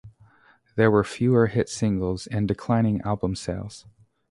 There were fewer hit singles, and declining album sales.